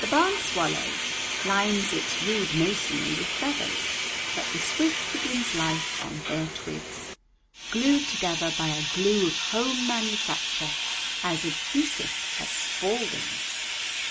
The barn swallow lines its rude masonry with feathers, but the swift begins life on bare twigs, glued together by a glue of home manufacture as adhesive as Spaulding's.